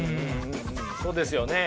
そうですよね。